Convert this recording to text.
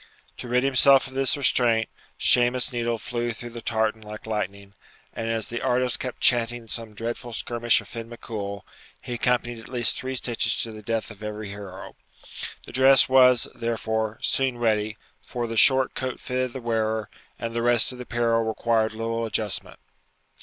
To rid himself of this restraint, Shemus's needle flew through the tartan like lightning; and as the artist kept chanting some dreadful skirmish of Fin Macoul, he accomplished at least three stitches to the death of every hero. The dress was, therefore, soon ready, for the short coat fitted the wearer, and the rest of the apparel required little adjustment.